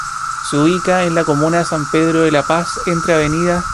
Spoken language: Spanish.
Se ubica en la comuna de San Pedro de la Paz, entre Av.